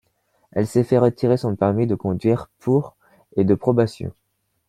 Elle s'est fait retiré son permis de conduire pour et de probation.